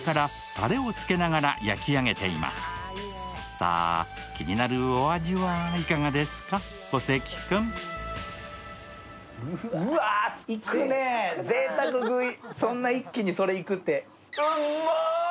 さあ、気になるお味はいかがですか、小関君。いくね、ぜいたく食い、そんな一気にそれ行くって。